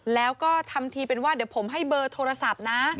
แล้วก็ทำทีเป็นว่าเดี๋ยวผมให้เบอร์โทรศัพท์นะ